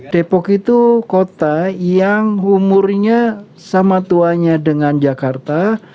depok itu kota yang umurnya sama tuanya dengan jakarta